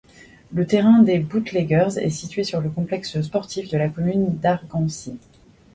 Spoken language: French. Le terrain des Bootleggers est situé sur le complexe sportif de la commune d'Argancy.